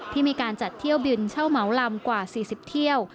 ที่มีการจัดเที่ยวบินเช่าเหมาลำกว่า๔๐เที่ยว